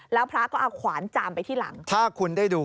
แล้วพระก็เอาขวานจามไปที่หลัง